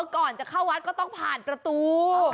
ก่อนจะเข้าวัดก็ต้องผ่านประตู